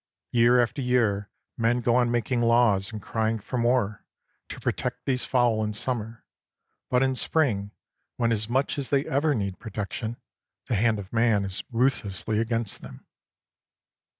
Year after year men go on making laws and crying for more, to protect these fowl in summer, but in spring, when as much as ever they need protection, the hand of man is ruthlessly against them.